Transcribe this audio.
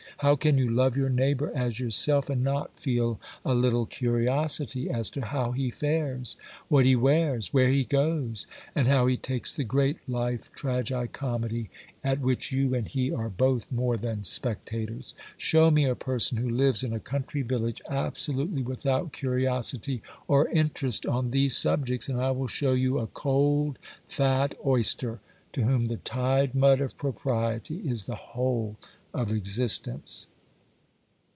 How can you love your neighbour as yourself, and not feel a little curiosity as to how he fares, what he wears, where he goes, and how he takes the great life tragi comedy, at which you and he are both more than spectators? Show me a person who lives in a country village absolutely without curiosity or interest on these subjects, and I will show you a cold, fat oyster, to whom the tide mud of propriety is the whole of existence.